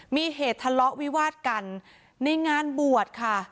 มีเหตุทะเลาะวิวาดกันในงานบวชค่ะ